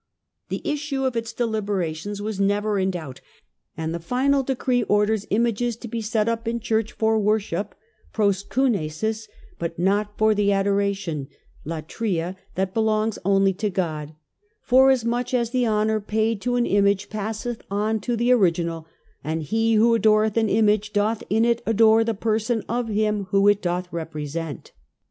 The issue of its deliberations was never in doubt, and the final decree orders images to be set up in churches for worship (TrpocrKvvi)<Ti<i) , but not for the adoration (karpeia) that belongs only to God, " foras much as the honour paid to an image passeth on to the original, and he who adoreth an image doth in it adore the person of him whom it doth represent